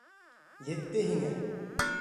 Етте һиңә!